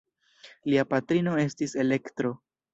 Lia patrino estis Elektro.